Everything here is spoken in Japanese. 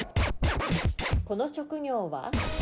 この職業は？